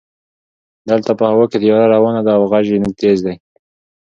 دلته په هوا کې طیاره روانه ده او غژ یې تېز ده.